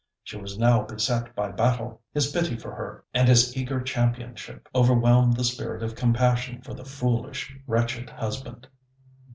She was now beset by battle. His pity for her, and his eager championship, overwhelmed the spirit of compassion for the foolish wretched husband.